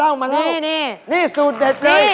เอาไปใช้ได้